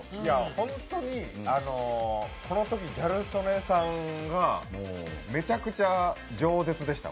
ホントにこのときギャル曽根さんがめちゃくちゃじょう舌でした。